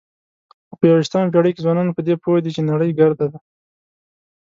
خو په یوویشتمه پېړۍ کې ځوانان په دې پوه دي چې نړۍ ګرده ده.